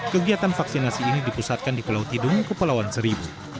kegiatan vaksinasi ini dipusatkan di pulau tidung kepulauan seribu